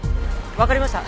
わかりました。